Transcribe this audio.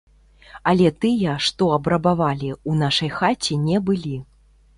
Але тыя, што абрабавалі, у нашай хаце не былі.